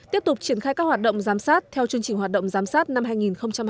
tiếp tục triển khai các hoạt động giám sát theo chương trình hoạt động giám sát năm hai nghìn hai mươi